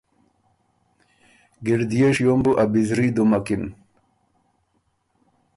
ګِړديې شیوم بُو ا بِزري دُومکِن۔